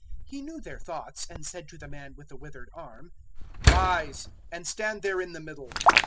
006:008 He knew their thoughts, and said to the man with the withered arm, "Rise, and stand there in the middle."